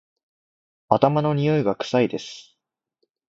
頭のにおいが臭いです